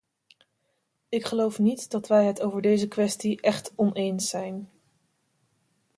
Ik geloof niet dat wij het over deze kwestie echt oneens zijn.